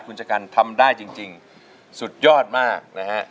คุณชะกันทำได้จริงสุดยอดมากนะฮะ